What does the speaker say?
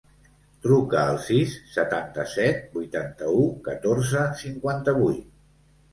Truca al sis, setanta-set, vuitanta-u, catorze, cinquanta-vuit.